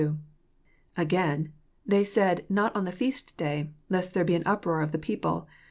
Again :They said, Not on the feast day, lest there be an uproar of the people."